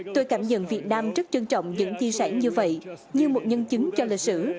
tôi cảm nhận việt nam rất trân trọng những chia sẻ như vậy như một nhân chứng cho lịch sử